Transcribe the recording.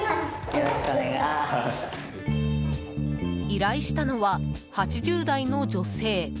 依頼したのは、８０代の女性。